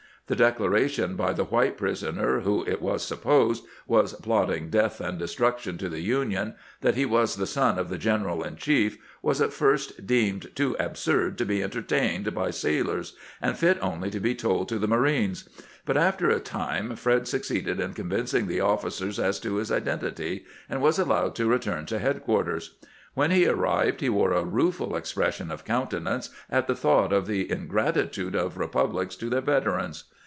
The declaration by the white pris oner, who, it was supposed, was plotting death and destruction to the Union, that he was the son of the general in chief, was at first deemed too absurd to be 366 CAMPAIGNING WITH GEANT entertained by sailors, and fit only to be told to the marines ; but after a time Fred succeeded in convincing the officers as to his identity, and was allowed to return to headquarters. When he arrived he wore a rueful expression of countenance at the thought of the ingrat itude of republics to their " veterans."